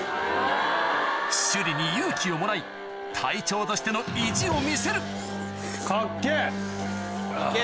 趣里に勇気をもらい隊長としての意地を見せるカッケェ。